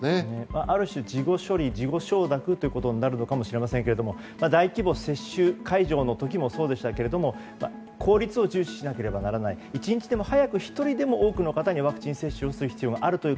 ある種事後処理、事後承諾ということになるのかもしれませんが大規模接種会場の時もそうでしたが効率を重視しなければならない１日でも早く一人でも多くの方にワクチン接種をする必要があるという